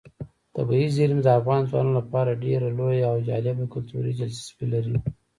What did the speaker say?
طبیعي زیرمې د افغان ځوانانو لپاره ډېره لویه او جالب کلتوري دلچسپي لري.